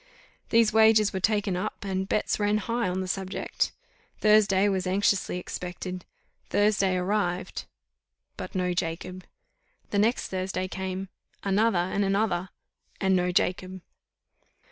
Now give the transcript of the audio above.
These wagers were taken up, and bets ran high on the subject. Thursday was anxiously expected Thursday arrived, but no Jacob. The next Thursday came another, and another and no Jacob!